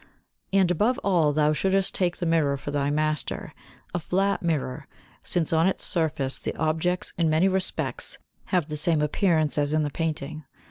And above all thou shouldst take the mirror for thy master, a flat mirror, since on its surface the objects in many respects have the same appearance as in painting.